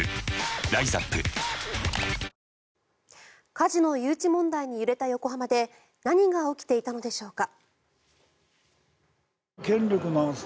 カジノ誘致問題に揺れた横浜で何が起きていたのでしょうか？